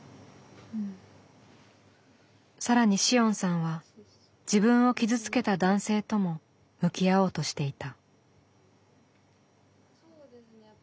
更に紫桜さんは自分を傷つけた男性とも向き合おうとしていた。